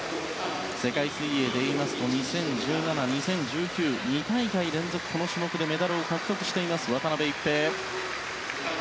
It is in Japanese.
世界水泳で言いますと２０１７、２０１９２大会連続でこの種目でメダルを獲得しています渡辺一平。